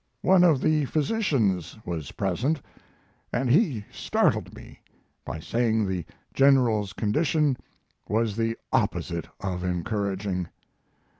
One of the physicians was present, and he startled me by saying the General's condition was the opposite of encouraging.